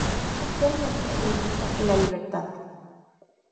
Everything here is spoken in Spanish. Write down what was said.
Actualmente milita en el Libertad.